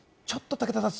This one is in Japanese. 武田さん。